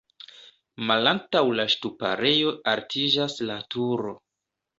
Malantaŭ la ŝtuparejo altiĝas la turo.